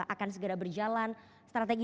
akan segera berjalan strategi